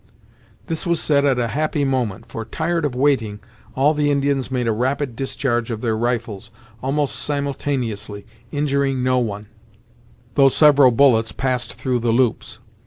This was said at a happy moment, for, tired of waiting, all the Indians made a rapid discharge of their rifles, almost simultaneously, injuring no one; though several bullets passed through the loops.